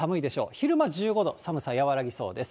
昼間１５度、寒さ和らぎそうです。